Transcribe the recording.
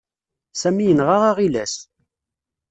Sami yenɣa aɣilas.